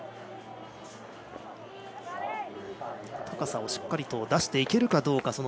高さをしっかりと出していけるかどうか。